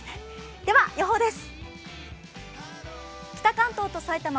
では予報です。